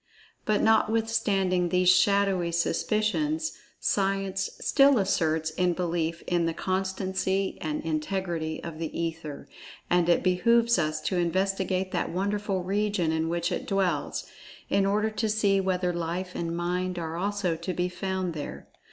But, notwithstanding these shadowy suspicions, Science still asserts in belief in the constancy and integrity of The Ether, and it behooves us to investigate that wonderful region in which it dwells, in order to see whether Life and Mind are also to be found there.